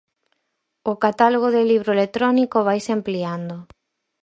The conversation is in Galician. O catálogo de libro electrónico vaise ampliando.